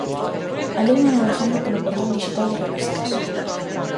Alumna navegando polo Portal Dixital de Revistas.